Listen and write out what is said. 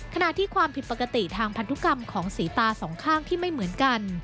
ขณะที่ความผิดปกติทางพันธุกรรมของสีตาสองข้างที่ไม่เหมือนกัน